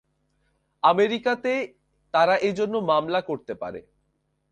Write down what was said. আমেরিকাতে, তারা এরজন্য মামলা করতে পারে।